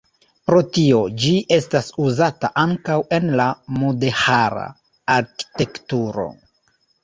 Pro tio, ĝi estas uzata ankaŭ en la mudeĥara arkitekturo.